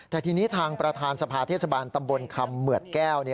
แต่ทีนี้ทางประธานสภาเทศบาลตำบลคำเหมือดแก้ว